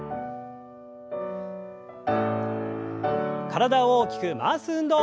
体を大きく回す運動。